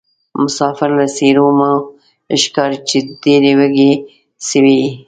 مسافرو له څېرومو ښکاري چې ډېروږي سوي یې.